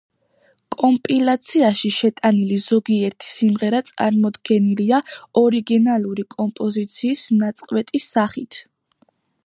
კომპილაციაში შეტანილი ზოგიერთი სიმღერა წარმოდგენილია ორიგინალური კომპოზიციის ნაწყვეტის სახით.